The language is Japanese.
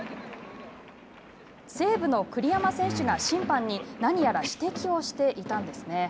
西武の栗山選手が審判に何やら指摘をしていたんですね。